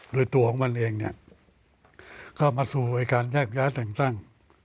โดยตัวของมันเองเนี่ยก็มาสู่ไอ้การแยกย้าต่าง